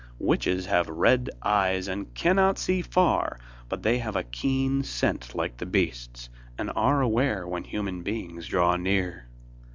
Witches have red eyes, and cannot see far, but they have a keen scent like the beasts, and are aware when human beings draw near.